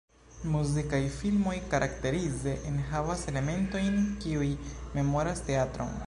Muzikaj filmoj karakterize enhavas elementojn kiuj memoras teatron.